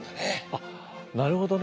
あっなるほどね。